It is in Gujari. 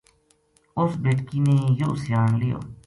اُس بیٹکی نے یوہ سیان لیو